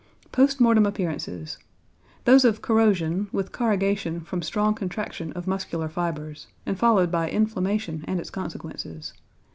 Post Mortem Appearances. Those of corrosion, with corrugation from strong contraction of muscular fibres, and followed by inflammation and its consequences.